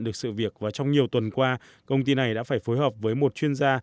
được sự việc và trong nhiều tuần qua công ty này đã phải phối hợp với một chuyên gia